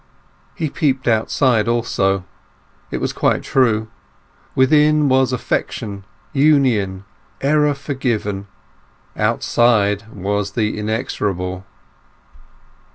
He peeped out also. It was quite true; within was affection, union, error forgiven: outside was the inexorable.